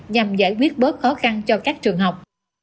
nhằm giải quyết bớt khó khăn cho các trường học